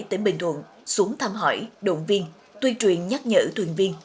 tỉnh bình thuận xuống thăm hỏi động viên tuyên truyền nhắc nhở thuyền viên